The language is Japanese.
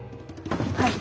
はい。